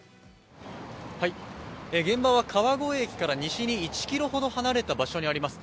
現場は川越駅から西に１ｋｍほど離れた場所にあります。